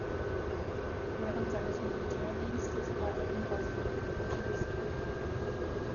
Während seines Militärdienstes war er in Bosnien eingesetzt.